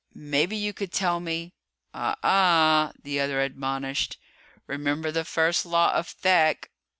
Maybe you could tell me ..." "Ah, ah!" the other admonished. "Remember the First Law of Thek!"